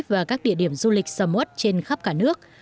và các địa điểm du lịch sầm ớt trên khắp cả nước